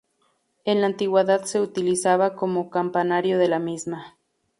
En la antigüedad se utilizaba como campanario de la misma.